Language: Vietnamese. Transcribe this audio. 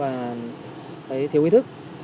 và thấy thiếu ý thức